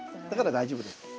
だから大丈夫です。